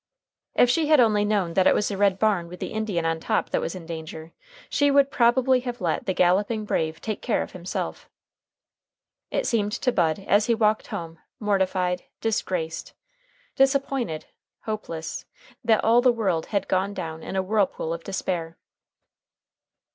If she had only known that it was the red barn with the Indian on top that was in danger, she would probably have let the galloping brave take care of himself. It seemed to Bud, as he walked home mortified, disgraced, disappointed, hopeless, that all the world had gone down in a whirlpool of despair.